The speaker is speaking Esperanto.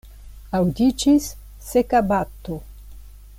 Aŭdiĝis seka bato.